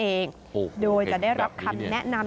โอ้โฮเห็นกับนี้นี่โดยจะได้รับคำแนะนำ